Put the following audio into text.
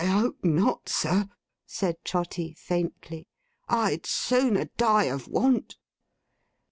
'I hope not, sir,' said Trotty, faintly. 'I'd sooner die of want!